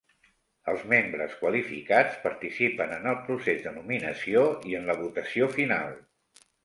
Els membres qualificats participen en el procés de nominació i en la votació final.